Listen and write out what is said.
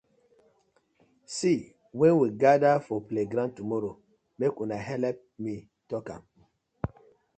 See wen we gather for playground tomorrow mek una helep me tok am.